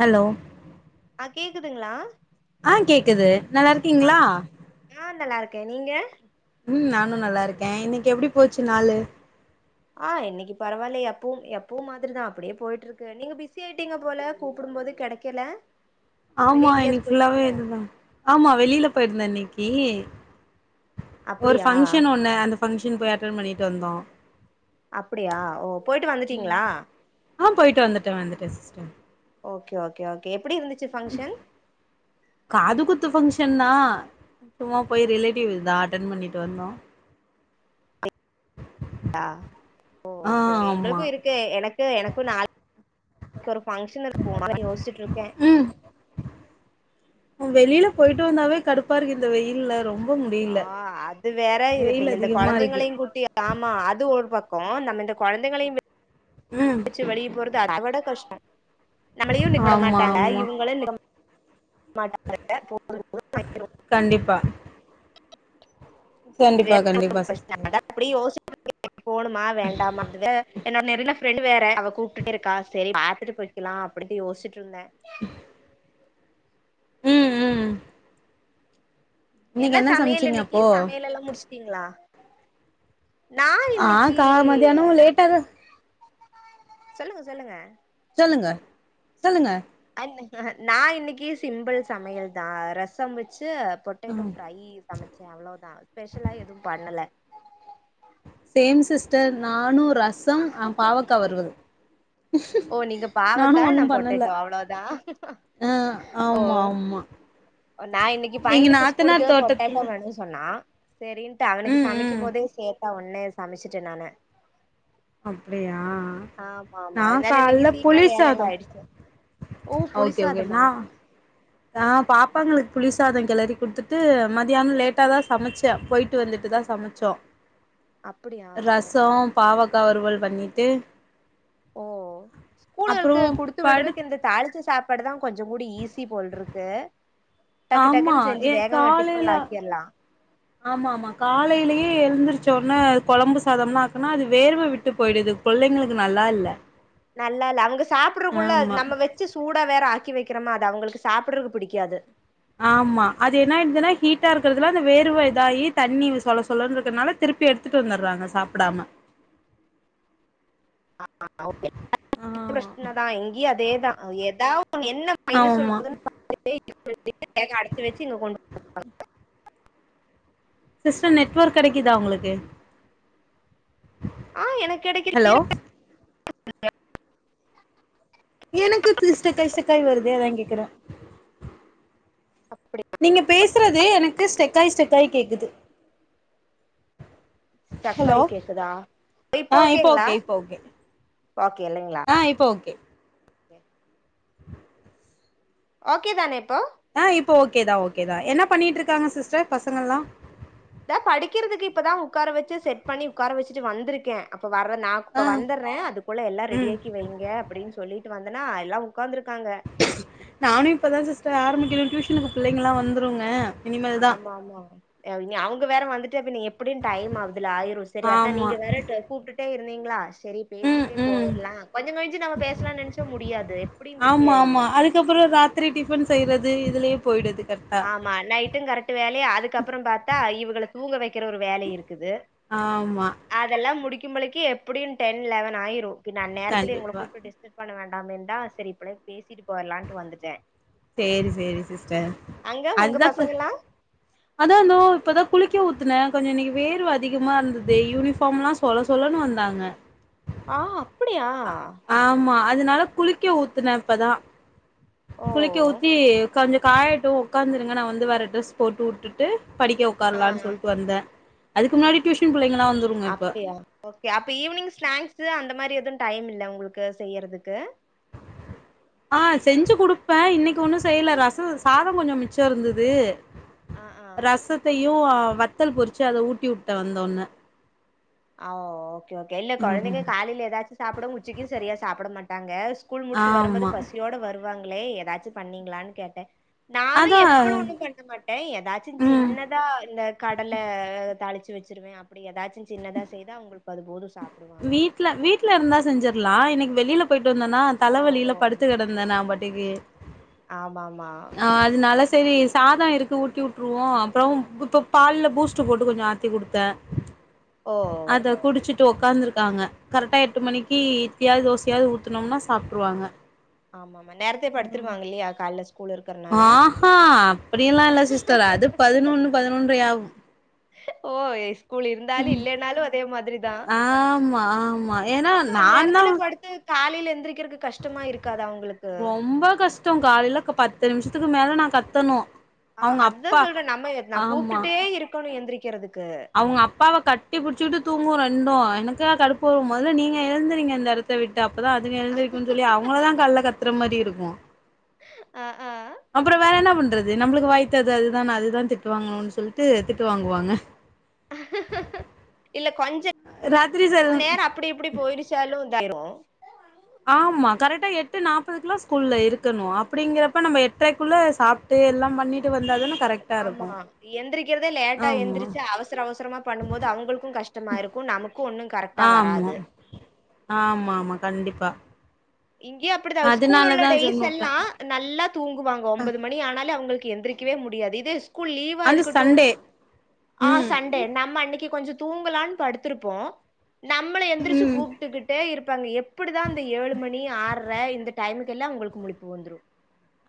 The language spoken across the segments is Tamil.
ஹலோ அ கேக்குதுங்களா ஆ கேக்குது நல்லா இருக்கீங்களா நா நல்லா இருக்கேன் நீங்க ம் நானும் நல்லா இருக்கேன் இன்னைக்கு எப்டி போச்சு நாலு ஆ இன்னைக்கு பரவாயில்ல எப்வும் எப்வும் மாதிரிதான் அப்டியே போயிட்டு இருக்கு நீங்க பிஸியாயிட்டீங்க போல கூப்டும் போது கெடைக்கல ஆமா இன்னைக்கு ஃபுல்லாவே இதுதான் ஆமா வெளில போயிருந்தேன் இன்னைக்கு ஒரு அப்படியா ஃபங்க்ஷன் ஒன்னு அந்த ஃபங்க்ஷன் போய் அட்டன் பண்ணிட்டு வந்தோம் அப்டியா ஓ போயிட்டு வந்ட்டீங்களா ஆ போயிட்டு வந்துட்டோன் வந்துட்டேன் சிஸ்டர் ஓகே ஓகே ஓகே எப்டி இருந்துச்சு ஃபங்க்ஷன் காது குத்து ஃபங்க்ஷன்தா சும்மா போய் ரிலேட்டிவ் வீடுதா அட்டென் பண்ணிட்டு வந்தோம் ஆம் ஓ ஆ ஓக்கே ஓக்கே ஆமா எங்களுக்கும் இருக்கு எனக்கு எனக்கும் நாள் ஒரு ஃபங்க்ஷன் இருக்கு போலாமா யோசுச்சுட்ருக்கேன் வெளில பொயிட்டு வந்தாவே கடுப்பா இருக்கு இந்த வெயில்ல ரொம்ப ஆ முடியல அது வேற இது இப்ப வெயில் இந்த அதிகமா இருக்கு கொழந்தைங்களையும் கூட்டி ஆமாம் அது ஒரு பக்கம் நம்ம இந்த கொழந்தைங்களையும் விட் ம் ட்டு வெளியே போறது அத விட கஷ்டம் நம்மளையும் விட ஆமா மாட்டாங்க ஆமா இவங்களும் ந மாட்டாங்க போ கண்டிப்பா கண்டிப்பா கண்டிப்பா சிஸ்டர் [unintelligible] அப்டி யோச்சுட்டு இருக்கே போகணுமா வேண்டாமா அது என்னோட நெருங்குன ஃப்ரெண்ட் வேற அவ கூப்ட்டு இருக்கா செரி பாத்துட்டு போய்கலாம் அப்டின் யோசிட்டு இருந்தேன் ம் ம் இன்னைக்கு என்ன சமையல் சமைச்சீங்க இன்னைக்கு அப்போ சமையலெல்லாம் முடிச்சுட்டீங்களா நான் ஆ இன்னைக்கு கா மதியானம் லேட்டாதா சொல்லுங்க சொல்லுங்க சொல்லுங்க சொல்லுங்க அ நான் இன்னைக்கு சிம்பிள் சமையல் தான் ரசம் வச்சு பொட்டேட்டோ ம் ஃப்ரை சமைச்சேன் அவ்வளோதான் ஸ்பெஷலா எதுவும் பண்ணல சேம் சிஸ்டர் நானும் ரசம் பாவக்க வருவல் ஓ நீங்க நானு பாவக்கா ஒன்னு நான் பண்ணல பொட்டேட்டோ அவ்ளோ தான் ஆ ஆமா ஆமா நான் இன்னைக்கு எங்க பையனுக்கு ஸ்கூலுக்கு நாத்தனார் பொட்டேடோ தோட்டத்துல வேணும் சொன்னா செரின்னுட்டு அவனுக்கு ம் ம் சமைக்கும் போதே சேர்த்தா ஒன்னே சமைச்சுட்டேன் நானு அப்டியா ஆமா ஆமா நான் அதனால இன்னைக்கு காலைல சீக்கிரோ புலி வேலையெல்லா சாதம் ஆயிடுச்சு ஓ ஓகே ஓகே புளிசாதமா ந நா பாப்பாங்களுக்கு புளிசாதம் கெளறி கொடுத்துட்டு மதியானம் லேட்டா தான் சமைச்சேன் போயிட்டு வந்துட்டுதான் சமைச்சோம் அப்படியா ஓ ஓ ரசம் பாவக்காய் வறுவல் பண்ணிட்டு ஓ அப்றோ ஸ்கூலுகளுக்கு குடுத்து படு விடுறதுக்கு இந்த தாளிச்ச சாப்பா பாடு தான் கொஞ்ச கூட ஈஸி போல இருக்கு டக்கு ஆமா டக்குன்னு செஞ்சு ஏ வேகமா டிபன்ல காலைல ஆக்கிடலாம் ஆமா ஆமா காலையிலேயே எழுந்தருச்ச உடனே அது குழம்பு சாதம்ன்னு ஆக்குனா அது வேர்வ விட்டு போயிடுது புள்ளைங்களுக்கு நல்லா இல்ல நல்லா இல்ல அவங்க சாப்பிடறதுக்குள்ள ஆமா நம்ம வெச்சு ச்சு சூடா வேற ஆக்கி வைக்கிறோமா அது அவங்களுக்கு சாப்பிடுறக்கு பிடிக்காது ஆமா அது என்னயிடுதுன்னா ஹீட்டா இருக்கிறதுல அந்த வேர்வ இதாயி தண்ணி சொல சொலன்னு இருக்கனால திருப்பி எடுத்துட்டு வந்துடுறாங்க சாப்பிடாம [unintelligible] ஆ பிரச்சன தான் இங்கயும் அதேதான் ஏதாவ என்ன பன ஆமா சொல்றதுன்ன [unintelligible] அடைச்சு வெச்சு இங்க கொண்டு சிஸ்டர் நெட்ஒர்க் கிடைக்குதா உங்களுக்கு ஆ எனக்கு கெடைக்கு ஹலோ [inaudible] எனக்கு ஸ்டக்காயி ஸ்டக்காயி வருதே அதான் கேக்குறேன் அப்படி நீங்க பேசுறது எனக்கு ஸ்டெக்காய் ஸ்டெக்காய் கேக்குது ஹலோ ஸ்டக்காய் கேக்குதா ஆ இப்போ ஓகேங்களா ஓகே இப்போ ஓகே ஓகே இல்லங்களா ஆ இப்போ ஓகே ஓகே தானே இப்போ ஆ இப்போ ஓகே தா ஓகே தா என்ன பண்ணிட்டு இருக்காங்க சிஸ்டர் பசங்கள்லாம் தா படிக்கிறதுக்கு இப்பதா உட்கார வெச்சு செட் பண்ணி உட்கார வச்சுட்டு வந்திருக்கேன் அப்ப வர்ற நா ஆ அப்ப வந்துர்றேன் அதுக்குள்ள எல்லா ம் ரெடியாக்கி வைங்க அப்டின்னு சொல்லிட்டு வந்தேனா எல்லா உட்காந்துருக்காங்க நானு இப்பதா சிஸ்டர் ஆரம்பிக்கறேன் டியூஷனுக்கு பிள்ளைங்கலா வந்துருங்க இனிமேல் தா ஆமா ஆமா அவிங்க அவங்க வேற வந்துட்டு அப்ப நீ எப்படியு டைம் ஆகுதுல ஆயிரு சரி அதான் ஆமா நீங்க வேற கூப்பிட்டுட்டே இருந்தீங்களா சரி ம் பேசிட்டே ம் போயிரலாம் கொஞ்சம் கழிச்சு நம்ம பேசலாம் நினைச்ச முடியாது எப்படியும் பிஸி ஆயிருவோம் அதுக்கப்புறம் ராத்திரி டிஃபன் செய்றது இதுலயே போயிடுது கரெக்டா ஆமா நைட்டும் கரெக்ட் வேலையா அதுக்கப்புறம் பாத்தா இவகள தூங்க வைக்கிற ஒரு வேலை இருக்குது ஆமா அதெல்லாம் முடிக்கும்பளைக்கு எப்படியு டென் லெவன் ஆயிரும் பின்ன அந்நேரத்துல எங்கள கண்டிப்பா கூப்டு டெஸ் பண்ண வேண்டாமேன்தா சரி இப்பளே பேசிட்டு போயிரலாம்ட்டு வந்துட்டேன் சேரி சேரி சிஸ்டர் அங்க உங்க அதுதான் பசங்கலாம்? அதான் தோ இப்பதான் குளிக்க ஊத்துனே கொஞ்ச இன்னைக்கு வேர்வ அதிகமா இருந்தது யூனிஃபார்ம்லா சொல சொலன்னு வந்தாங்க ஆ அப்டியா ஆமா அதனால குளிக்க ஊத்துனே இப்பதான் ஓ! குளிக்க ஊத்து தி கொஞ்சம் காயட்டும் உட்க்காந்துருங்க நா வந்து வேர ட்ரெஸ் போட்டு வுட்டுட்டு படிக்க ஆ. உக்காரலானு சொல்ட்டு வந்தேன் அதுக்கு முன்னாடி டியூஷன் பிள்ளைங்கலா வந்து அப்டியா ஓகே அப்ப ஈவினிங் ஸ்நாக்ஸ் அந்த மாறி எதுவும் டைம் இல்ல உங்களுக்கு செய்றதுக்கு ஆ செஞ்சு குடுப்பேன் இன்னைக்கு ஒன்னு செய்யல ரசம் சாதம் கொஞ்சோ மிச்ச இருந்தது அ அ ரசத்தையு ஆ வத்தல் பொறிச்சு அத ஊட்டிவுட்ட வந்தொன்ன ஆ ஓகே ஓகே இல்ல குழந்தைங்க காலையில ஏதாச்சு சாப்பிடும் உச்சைக்கு சரியா சாப்ட மாட்டாங்க ஸ்கூல் முடிச்சு வரும்போது ஆமா பசியோட வருவாங்களே ஏதாச்சு பண்ணீங்களான்னு கேட்டேன் நானு அதா எப்பளு ஒன்னு பண்ண மாட்டே ஏதாச்சும் ம் சின்ன இதா இந்த கடல தாளிச்சி வச்சிருவே அப்டி ஏதாச்சு சின்னதா செய்தா அவங்களுக்கு அது போது சாப் வீட்ல வீட்ல இருந்தா செஞ்சிறலா இன்னக்கி வெளில போயிட்டு வந்தேனா ஓ ஓ தலவலில படுத் து கெடந்தே நா பாட்டுக்கு ஆமா மா ஆ அதனால சரி சாதோ இருக்கு ஊட்டி வுட்டுருவோ அப்பறோ இப்ப பால்ல பூஸ்ட் போட்டு கொஞ்சோ ஆத் தி குடுத்தே ஓ அத குடிச்சிட்டு ஒக் காந்துருக்காங்க கரெக்டா எட்டு மணிக்கு இட்லியாவது தோசையாவது ஊத்துனோம்னா சாப்ட்ருவாங்க ஆமா மா நேரத்தே படுத்துருவாங்க இல்லயா கால்ல ஸ்கூல் இருக் ஆ ஹா அப்டியல்லா இல்ல சிஸ்டர் அது பதினொன்னு பதினொன்ற ஆகு ஓ எஸ் ஸ்கூல் இருந்தாலு இல்லேன்னாலு அதே மாதிரி தா ஆமா ஆமா ஏன்னா இன்னு நான்தா அந்நேரத்துல படுத்து காலேல எந்திரிக்கர்க்கு ரொம்ப கஷ்டோ காலேல க பத்து நிமிஷத்துக்கு மேல நா கத்தனு ஆ அததா சொல்றே நம்ம நா கூப்டுட்டே இருக்கணு எந்திரிக்கிறதுக்கு அவங்க அப்பாவ கட்டி பிடிச்சிகிட்டு தூங்கு ரெண்டு எனக்குதா கடுப்பு வரு மொதல்ல நீங்க எழுந்துறீங்க இந்த எடத் த விட்டு அப்பதா அதுங்க எழுந்திருக்கும்னு சொல்லி அவங்களதா கால்ல கத்துற மாரி இருக்கு ஆ ஆ அப்பறோ வேற என்ன பண்றது நம்மளுக்கு வாய்த்தது அதுதான அதுதா திட்டு வாங்கணுன்னு சொல்லிட்டு திட்டு வாங்குவாங்க இல்ல கொஞ்ச ராத்திரி செல்லு இப்டி இப்டி போயிருச்சாலு இதாயிரு ஆமா கரெக்டா எட்டு நாப்பதுக்குல்லா ஸ்கூல்ல இருக்கணு அப்டிங்கிறப்ப நம்ம எட்ரைக்குள்ள சாப் ட்டு எல்லா பண்ணிட்டு வந்த தான கரெக்டா ஆமா இருக்கு எந்திரிக்கிறதே லேட்டா ஆமா எந்திரிச்சி அவசர அவசரமா பண்ணும் போது அவங்களுக்கு கஷ்டமா இருக்கு நமக்கு ஒன்னு கரெக்டா ஆமா வராது ஆமா ஆமா கண்டிப்பா இங்கயு அப்டிதா ஸ்கூல் உள்ள அதனாலதா டேஸ் சொன்ன வுட்டே எல்லா நல்லா தூங்குவாங்கோ ஒம்பது மணி ஆனாலு அவங்களுக்கு எந்திரிக்கவே முடியாது இதே ஸ்கூல் லீவா அந்த இருக்கட்டு சண்டே ஆ ம் சண் டே நம்ம அன்னக்கி கொஞ்சோ தூங்கலான்னு படுத்திருப்போ நம்மள எந்திரிச்சி ம் கூப்டுக்கிட்டே இருப்பாங்க எப்டிதா அந்த ஏழு மணி ஆர்ற இந்த டைமுக்கு எல்லா அவங்களுக்கு முளிப்பு வந்துரு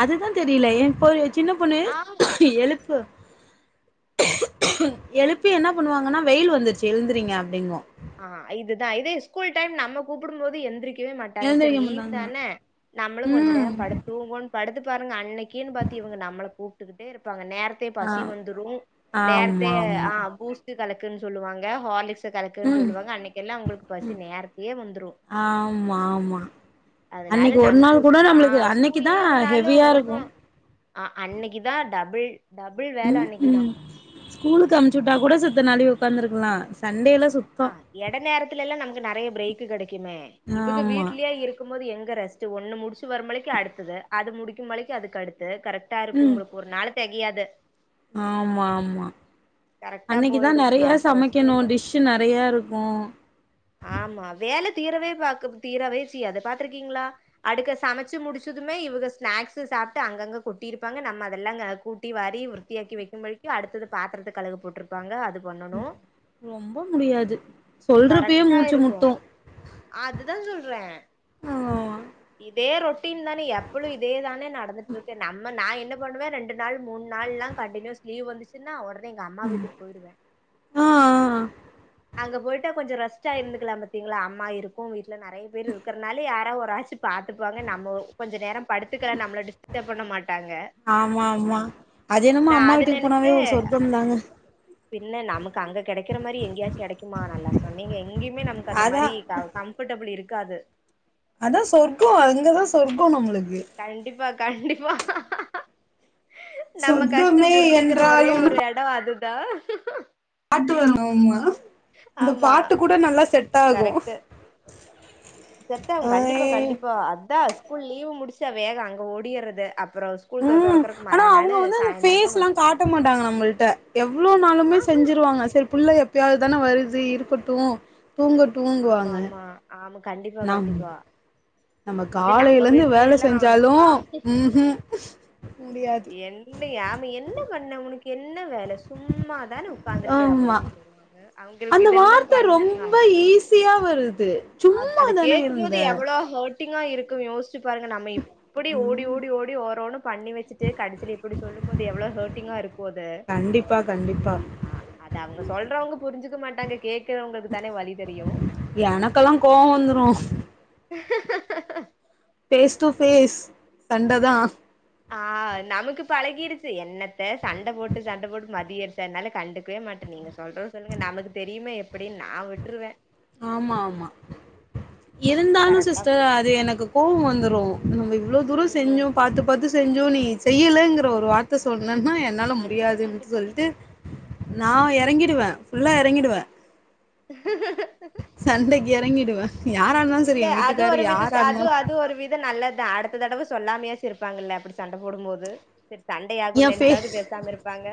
அதுதா தெரில ஏ பொ சின்ன பொண்ணு ஆமா எழுப்ப எழுப்பி என்ன பண்ணுவாங்கன்னா வெயில் வந்துருச்சி எழுந்துறீங்க அப்டிங்கு ஆ இதுதா இதே ஸ்கூல் டைம் நம்ம கூப்டும் போது எந்திரிக் கவே மாட்டாங்க செரி எழுந்திரிக்க லீவ் மாட்டாங்க தான நம்மளு கொஞ்ச நேரோ ம் படுத்து தூங்குவோன்னு படுத்து பாருங்க அன்னக்கீன்னு பாத்து இவங்க நம்மள கூப்ட்டுக்கிட்டே இருப்பாங்க நேர த்தே ஆ பசி வந்துரு நேரத்தே ஆமா ஆமா ஆ பூஸ்ட் கலக்குன்னு சொல்லுவாங்க ஹார்லிக்ஸ கல க்குன்னு ம் சொல்லுவாங்க அன்னைக்கெல்லா அவுங்களுக்கு பசி நேரத்துலயே வந்துரு ஆமா ஆமா அதனால அன்னைக்கு ஒரு நமக்கு நாள் கூட ஸூ ஆ நம்மளுக்கு அன்னைக்கு ஸ்கூல் தா லீவ்னாலு ஹெவியா இருக்கு வுஹு ஆ அன்னக்கிதா டபுள் டபுள் வேலை ம் அன்னக்கிதா ம் ஸ்கூலுக்கு அம்ச்சி விட்டா கூட செத்த நாலி ஒக்காந்துருக்கலா சண்டேலா சுத் ஆ இடை நேரத்துல எல்லா நமக்கு நெறையா பிரேக் கெடைக்குமே இவுக ஆமா வீட்லயே இரு க்கும் போது எங்க ரெஸ்ட் ஒன்னு முடிச்சு வருமலைக்கு அடுத்தது அது முடிக்கும்மலைக்கு அதுக்கு அடுத்து கரெக்டா இருக்கு ம் உங்களுக் ஒரு நாள் தெகியாது ஆமா ஆமா கரெக்டா அன்னைக்குதா போயிடு நிறையா நமக்கு ரெஸ்டே சமைக்கணு இல்ல டிஷ் நிறையா இருக்கு ஆமா வேல தீரவே பாக் தீரவே செய்யாது பாத்துருக்கீங்களா அடுக்க சமச்சு முடிச்சதுமே இவக ஸ்நாக்ஸ்சு சாப்ட்டு அங்கங்க கொட்டிருப்பாங்க நம்ம அதெல்லாங்க கூட்டி வாரி சுத்தியாக்கி வைக்கும் [unintelligible] அடுத்தது பாத்திரத்த கழுவ போட்ருப்பாங்க அது பண்ணனு ரொம்ப முடியாது சொல்றப்பயே கரெக்டா மூச்சு இருக்கு முட்டு அதுதா சொல்றே ஆமா இதே ரொட்டின் தானே எப்பளு இதே தானே நடந்துட்டு இருக்கு நம்ம நா என்ன பண்ணுவ ரெண்டு நாள் மூணு நாள்லா கண்டினியூஸ் லீவ் வந்துச்சுன்னா உடனே எங்க அம்மா வீட்டுக்கு போயிடுவே ஆ ஆ அங்க போயிட்டா கொஞ்ச ரெஸ்டா இருந்துகளாம் பாத்தீங்களா அம்மா இருக்கு வீட்ல நிறைய பேரு இருக்கிறனாலே யாரா ஒரு ஆசி பாத்துப்பாங்க நம்ம கொஞ்ச நேரோ படுத்துக்கலா நம்மள டிஸ்டப் பண்ண மாட்டாங்க ஆமா ஆமா அது என்னமோ நா அம்மா அது வீட்டுக்கு போனாவே நெனச்சே ஒரு சொர்கம் தாங்க பின்ன நமக்கு அங்க கிடைக்கிற மாரி எங்கேயாச்சு கிடக்குமா நல்லா சொன்னீங்க எங்கேயுமே நம க்கு அந்த அதா மாரி கம்ஃபர்டபுள் இருக்காது அதா சொர்க்கோ அங்கதா சொர்க்கோ நம்மளுக்கு கண்டிப்பா கண்டிப்பா நம்ம கஷ்டோ சொர்க்கமே புரிஞ்சிக்கிற ஒரே என்றாலும்னு ஒரு எடோ அதுதா அந்த ஆமா பாட்டு கூட நல்லா செட் ஆகு செட்டாகு கண்டிப்பா அய் கண்டிப்பா அதா ஸ்கூல் லீவு முடிச்சா வேக அங்க ஓடிறது அப்புறோ ஸ்கூல் தொ ம் தொறக்கறக்கு ஆனா அவங்க மறாநாளு வந்து அந்த சாயந்தரமா பேஸ்லா வந்துருவோ காட்ட மாட்டாங்க நம்மள்ட்ட எவ்ளோ ஆ நாளுமே செஞ்சிருவாங்க சரி புள்ள எப்பயாது தானே வருது இருக்கட்டு தூங்க ஆமா ஆமா ஆம்ம கண்டிப்பா நம் கண்டிப்பா நம்ம இது நம்ம காலையில இந்து வேல வீட்லயெல்லாம் செஞ்சாலு ஆ ம் ம் முடியாது என்ன யாம் என்ன பண்ண உனக்கு என்ன வேல சும்மாதானே உட்கார்ந்துருக்கே ஆமா அப்படின் சொல்லுவாங்க அவங்களுக் அந்த இதெல்லா வார்த்த பண் ரொம்ப நம் ஈஸியா வருது அது சும்மா அது தான கேக்கும் போது இருந்த எவ்ளோ ஹர்ட் டிங்கா இருக்கு யோசிச்சு பாருங்க நம்ம எப்படி ஓடி ஓடி ஓடி ஓரோனு பண்ணி வச்சிட்டு கடைசில இப்படி சொல்லும்போது எவ்ளோ ஹர்ட்டிங்கா இருக்கு அது கண்டிப்பா கண்டிப்பா ஆ அத அவங்க சொல்றவங்க புரிஞ்சுக்க மாட்டாங்க கேக்குறவங்களுக் தானே வலி தெரியு எனக்கெல்லா கோவோ வந்துரு [inaudible] ஃபேஸ் டு ஃபேஸ் சண்ட தா ஆ நமக்கு பழகிடுச்சு என்னத்த சண்ட போட்டு சண்ட போட்டு மதிய [unintelligible] கண்டுக்கவே மாட்டே நீங்க சொல்றத சொல்லுங்க நமக்கு தெரியுமே எப்டின் நா விட்ருவே ஆமா ஆமா இருந்தாலு கரெக்டா சிஸ்டர் போ அது எனக்கு கோவோ வந்துரு நம்ம இவ்ளோ தூரோ செஞ்சு ம் பாத்து பாத்து செஞ்சு நீ செய்யலங்கிற ஒரு வார்த்த சொன்னன்னா என் னால கண்டிப்பா முடியாதுன்டு கண்டிப்பா சொல்ட்டு நா இறங்கிடுவே ஃபுல்லா இறங்கிடுவே சண்டைக்கி இறங்கிடுவே யாரா இருந்தாலு சரி என் வீட்டுக்காரு யாரா இருந்தாலு து ஒரு வித நல்லதா அடுத்த தடவ சொல்லாமையாச்சு இருப்பாங்கல்ல அப்படி சண்ட போடும்போது சரி சண்டை ஆகுன் எ ஃபே நினச்சாவது பேசாம இருப்பாங்க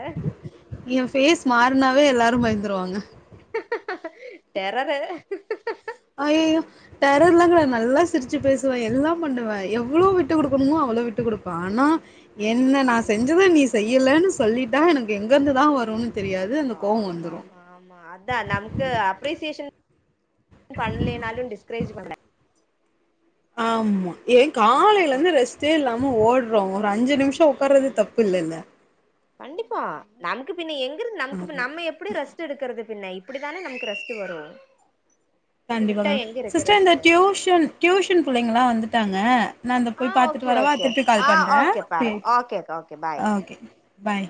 எ ஃபேஸ் மாறுனாவே எல்லாரு பயந்துருவாங்க டெரரு அய்யயோ டெரர்லா கெடயாது நல்லா சிரிச்சு பேசுவே எல்லா பண்ணுவே எவ்ளோ விட்டு குடுக்கனுமோ அவ்ளோ விட்டு குடுப்பே ஆனா என்ன நா செஞ்சத நீ செய்லன் சொல்லிட்டா எனக்கு எங்கெருந்துதா வருன் பா ஆமா ஆமா ஆமா அதா நமக்கு அப்ரீஷேஷன் பண்லேனாலு டிஸ்க்ரேஜ் பண்ண ஆமா ஏ அதாது காலைலந்து ரெஸ்ட்டே இல்லாம ஓட்றோ ஒரு அஞ்சு நிம் ம் கண்டிப்பா நமக்கு பின்ன எங்கெருந்து நமக்கு ஆமா பின்ன நம்ம எ ப்டி ரெஸ்ட்டெடுக்குறது பின்ன இப்டித்தானே நமக்கு ரெஸ்ட்டு வரு இது விட்டா கண்டிப்பாங்க எங்க இருக்கு சிஸ்டர் இந்த ரெஸ்ட்டு டியூஷன் டியூஷன் புள்ளைங்ளா வந்துட்டாங்க நா இந்தா ஆ போய் பாத்துட்டு ஓகே வரவா ஓகே திருப்பி ஆ கால் பண்றே ஓகே பாருங்க ஃப்ரீயாயிட்டு ஓகே ஓகே பாய் ஓகே பாய்